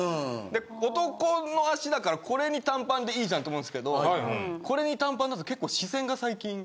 で男の足だからこれに短パンでいいじゃんと思うんすけどこれに短パンだと結構視線が最近。